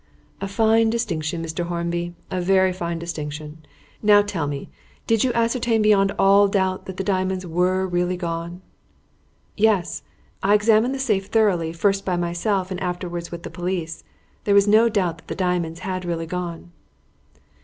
"A fine distinction, Mr. Hornby; a very fine distinction. Now tell me, did you ascertain beyond all doubt that the diamonds were really gone?" "Yes; I examined the safe thoroughly, first by myself and afterwards with the police. There was no doubt that the diamonds had really gone."